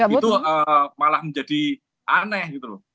itu malah menjadi aneh